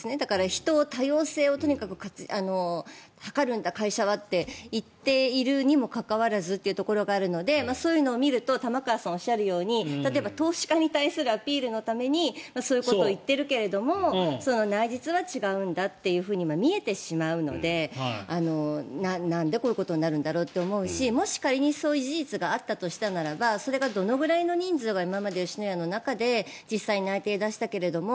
人、多様性をとにかく図るんだ会社はと言っているにもかかわらずというところがあるのでそういうのを見ると玉川さんがおっしゃるように例えば、投資家に対するアピールのためにそういうことを言っているけれども内実は違うんだと見えてしまうのでなんでこういうことになるんだろうって思うしもし仮にそういう事実があったとしたならばそれがどのくらいの人数が今まで吉野家の中で実際に内定を出したけれども